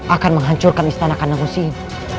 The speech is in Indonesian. akan menghancurkan istana kandang usia ini